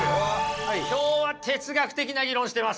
今日は哲学的な議論してますね。